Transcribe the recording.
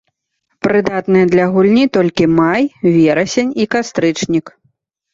Прыдатныя для гульні толькі май, верасень і кастрычнік.